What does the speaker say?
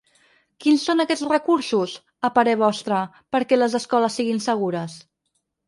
Quins són aquests recursos, a parer vostre, perquè les escoles siguin segures?